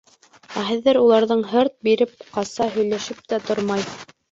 Ә хәҙер уларҙан һырт биреп ҡаса, һөйләшеп тә тормай.